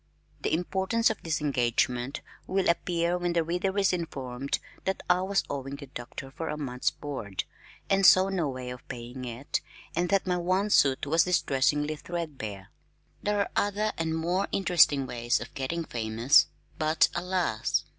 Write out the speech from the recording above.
The importance of this engagement will appear when the reader is informed that I was owing the Doctor for a month's board, and saw no way of paying it, and that my one suit was distressingly threadbare. There are other and more interesting ways of getting famous but alas!